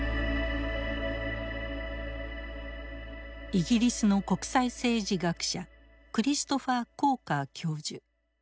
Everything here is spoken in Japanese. イギリスの国際政治学者クリストファー・コーカー教授。